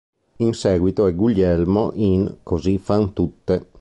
In seguito è Guglielmo in "Così fan tutte".